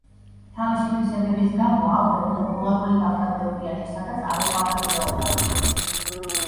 თავისი თვისებების გამო, ალბერტი პოპულარული გახდა ბელგიაში, სადაც არ უყვარდათ ლეოპოლდი.